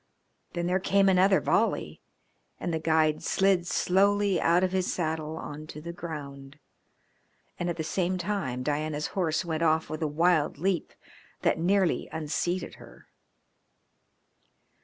Then there came another volley, and the guide slid slowly out of his saddle on to the ground, and at the same time Diana's horse went off with a wild leap that nearly unseated her.